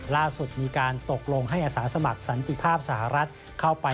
ล่าสุดมีการตกลงให้อาสาสมัครสันติภาพสหรัฐเข้าไป